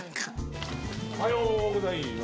おはようございます。